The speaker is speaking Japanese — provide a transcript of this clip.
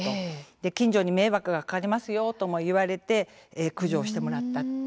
近所に迷惑がかかるよと言われて駆除してもらった。